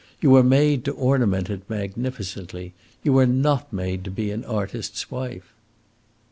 You are made to ornament it magnificently. You are not made to be an artist's wife."